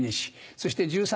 そして１３